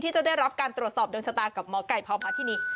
ที่จะได้รับการตรวจสอบเดินชะตากับมไก่พร้อมภาคที่นี้